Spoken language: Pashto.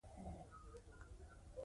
سیاسي استازولي خو لرې خبره وه